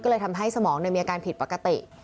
ก็เลยทำให้สมองมีอาการผิดปกติ